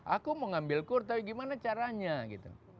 aku mau ngambil kur tapi gimana caranya gitu